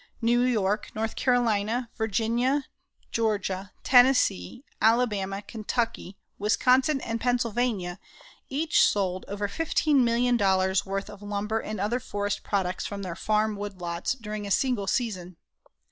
New York, North Carolina, Virginia, Georgia, Tennessee, Alabama, Kentucky, Wisconsin and Pennsylvania each sold over $15,000,000 worth of lumber and other forest products from their farm woodlots during a single season.